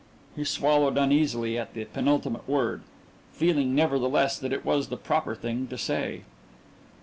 He swallowed uneasily at the penultimate word, feeling nevertheless that it was the proper thing to say.